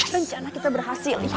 rencana kita berhasil